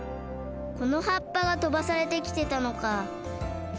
この葉っぱがとばされてきてたのか。